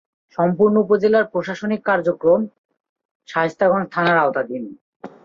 সম্পূর্ণ উপজেলার প্রশাসনিক কার্যক্রম শায়েস্তাগঞ্জ থানার আওতাধীন।